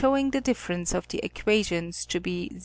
ing the difference of the equations to be 0°.